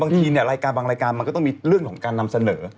บางทีเนี่ยรายการบางรายการมันก็ต้องมีเรื่องของการนำเสนอ